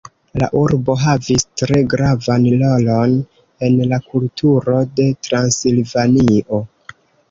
La urbo havis tre gravan rolon en la kulturo de Transilvanio.